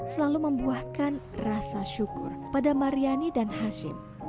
selalu membuahkan rasa syukur pada mariani dan hashim